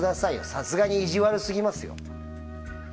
さすがに意地悪すぎますよ。